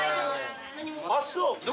あっそう。